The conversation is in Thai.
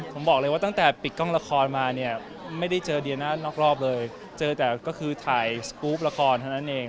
ผมบอกเลยว่าตั้งแต่ปิดกล้องละครมาเนี่ยไม่ได้เจอเดียน่านอกรอบเลยเจอแต่ก็คือถ่ายสกรูปละครเท่านั้นเอง